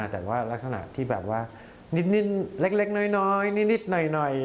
แต่ว่ารักษณะที่แบบว่านิดเล็กน้อยนิดหน่อย